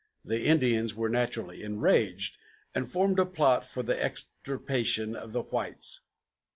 The Indians were naturally enraged, and formed a plot for the extirpation of the whites.